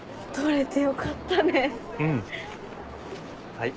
はい。